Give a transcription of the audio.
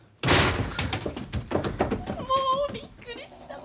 もうびっくりした。